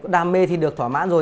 đam mê thì được thỏa mãn rồi